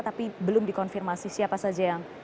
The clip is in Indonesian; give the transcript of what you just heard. tapi belum dikonfirmasi siapa saja yang